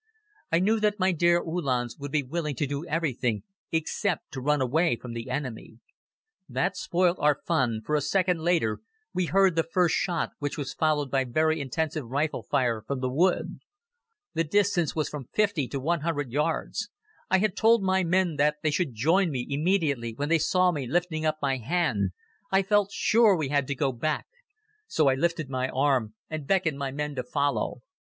I knew that my dear Uhlans would be willing to do everything except to run away from the enemy. That spoilt our fun, for a second later we heard the first shot which was followed by very intensive rifle fire from the wood. The distance was from fifty to one hundred yards. I had told my men that they should join me immediately when they saw me lifting up my hand. I felt sure we had to go back. So I lifted my arm and beckoned my men to follow.